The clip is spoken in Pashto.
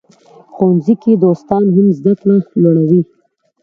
ښوونځي کې دوستان هم زده کړه لوړوي.